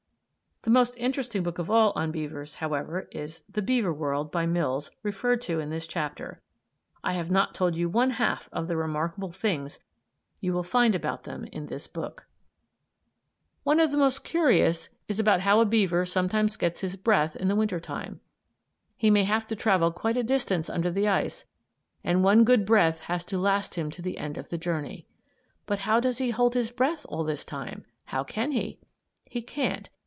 The most interesting book of all on beavers, however, is "The Beaver World," by Mills, referred to in this chapter. I have not told you one half of the remarkable things you will find about them in this book. One of the most curious is about how a beaver sometimes gets his breath in the winter time. He may have to travel quite a distance under the ice, and one good breath has to last him to the end of the journey. "But does he hold his breath all this time? How can he?" He can't.